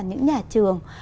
những nhà trường